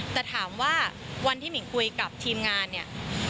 แต่ถามว่าวันที่หมิ่งคุยกับทีมงานเนี่ย